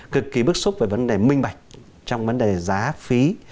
cực kỳ bức xúc về vấn đề minh bạch trong vấn đề giá phí